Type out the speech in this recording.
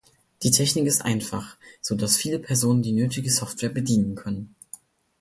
Die Technik ist einfach, so dass viele Personen die nötige Software bedienen können.